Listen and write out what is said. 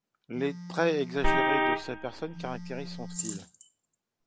Les traits exagérés de ses personnages caractérisent son style.